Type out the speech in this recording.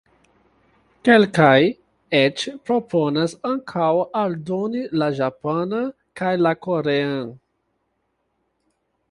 Kelkaj eĉ proponas ankaŭ aldoni la Japanan kaj la Korean.